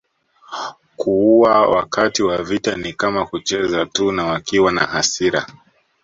Kuua wakati wa vita ni kama kucheza tu na wakiwa na hasira